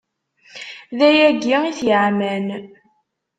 D ayagi i t-yeɛman.